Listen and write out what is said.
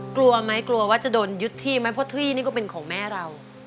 กลัวไหมกลัวว่าจะโดนยึดที่ไหมเพราะที่นี่ก็เป็นของแม่เรา